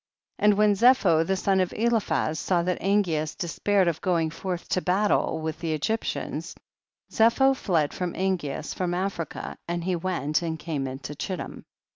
12. And when Zepho the son of Eliphaz saw that Angeas despaired of going forth to battle with the Egyptians, Zepho fled from Angeas from Africa, and he went and came unto Chittim.